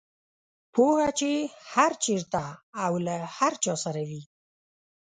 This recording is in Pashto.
پوهه چې هر چېرته او له هر چا سره وي.